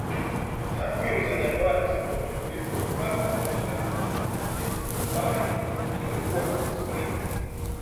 Takwimu za Januari ziko juu kuliko pato la mauzo ya nje kutoka Kenya ambayo imekuwa kihistoria